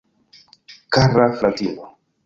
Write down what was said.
Kara fratino!